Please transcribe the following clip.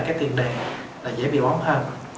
cái tiền đề là dễ bị bóng hơn